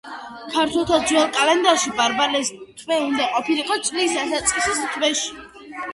ქართველთა ძველ კალენდარში ბარბალეს თვე უნდა ყოფილიყო წლის დასაწყისი თვე.